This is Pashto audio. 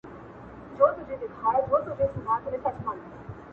د شکايت او فريادونو پرته د غم زغمل جميل صبر دی.